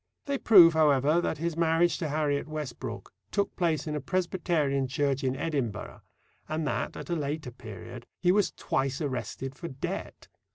They prove, however, that his marriage to Harriet Westbrook took place in a Presbyterian church in Edinburgh, and that, at a later period, he was twice arrested for debt.